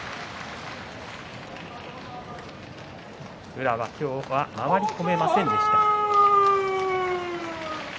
宇良、今日は回り込めませんでした。